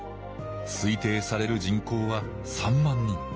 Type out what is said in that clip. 推定される人口は３万人。